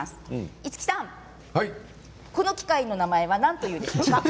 五木さん、この機械の名前はなんというでしょうか。